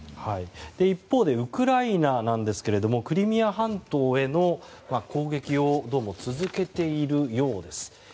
一方でウクライナですがクリミア半島への攻撃を続けているようです。